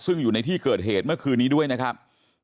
ซึ่งอยู่ในที่เกิดเหตุเมื่อคืนนี้ด้วยนะครับ